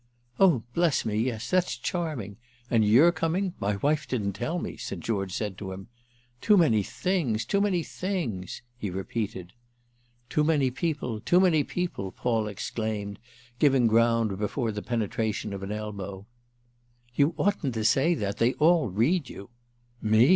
"Oh bless me, yes—that's charming! And you're coming? My wife didn't tell me," St. George said to him. "Too many things—too many things!" he repeated. "Too many people—too many people!" Paul exclaimed, giving ground before the penetration of an elbow. "You oughtn't to say that. They all read you." "Me?